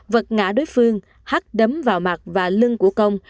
vật ngã đối phương hắt đấm vào mặt và lưng của công